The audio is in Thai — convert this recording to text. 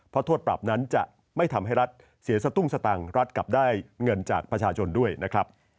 เพราะโทษปรับนั้นจะไม่ทำให้รัฐเสียสตุ้งสตังค์รัฐกลับได้เงินจากประชาชนด้วยนะครับ